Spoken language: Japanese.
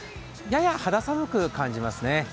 やや肌寒く感じますね。